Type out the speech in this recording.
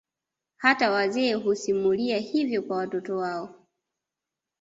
Hata wazee husimulia hivyo kwa watoto wao